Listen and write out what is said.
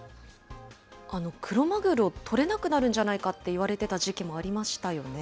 クロマグロ、取れなくなるんじゃないかって言われてた時期もありましたよね。